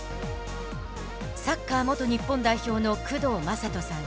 サッカー元日本代表の工藤壮人さん。